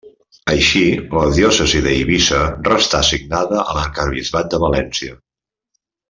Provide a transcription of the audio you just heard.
Així, la diòcesi d'Eivissa restà assignada a l'arquebisbat de València.